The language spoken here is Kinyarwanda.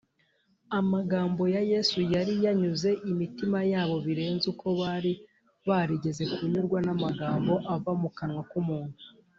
Amagambo ya Yesu yari yanyuze imitima yabo birenze uko bari barigeze kunyurwa n’amagambo ava mu kanwa k’umuntu